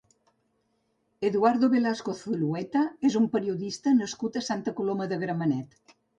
Eduardo Velasco Zulueta és un periodista nascut a Santa Coloma de Gramenet.